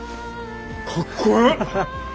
かっこええ。